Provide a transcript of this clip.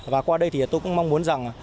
và qua đây thì tôi cũng mong muốn rằng